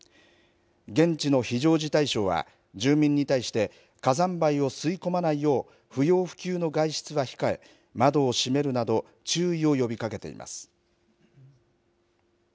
現地の非常事態省は、住民に対して、火山灰を吸い込まないよう不要不急の外出は控え、窓を閉めるなど、注意を呼びかけています。